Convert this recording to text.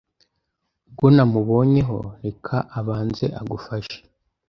Ubwo namubonyeho reka abanze agufashe